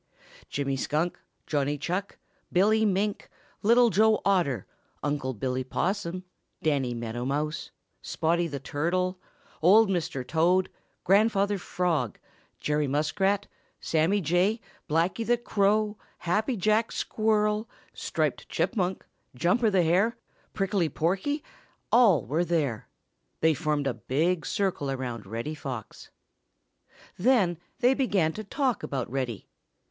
Jimmy Skunk, Johnny Chuck, Billy Mink, Little Joe Otter, Unc' Billy Possum, Danny Meadow Mouse, Spotty the Turtle, Old Mr. Toad, Grandfather Frog, Jerry Muskrat, Sammy Jay, Blacky the Crow, Happy Jack Squirrel, Striped Chipmunk, Jumper the Hare, Prickly Porky, all were there. They formed a big circle around Reddy Fox. Then they began to talk about Reddy.